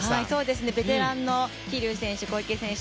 ベテランの桐生選手、小池選手。